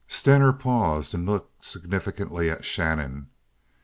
Steger paused and looked significantly at Shannon.